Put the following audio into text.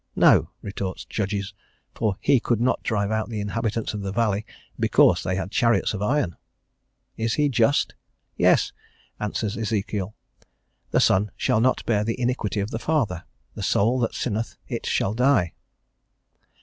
"No," retorts Judges; "for He could not drive out the inhabitants of the valley, because they had chariots of iron." Is He just? "Yes," answers Ezekiel. "The son shall not bear the iniquity of the father; the soul that sinneth it shall die."